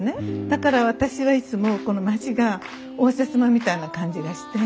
だから私はいつもこの町が応接間みたいな感じがして。